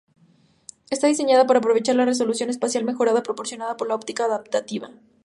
Está diseñado para aprovechar la resolución espacial mejorada proporcionada por la óptica adaptativa.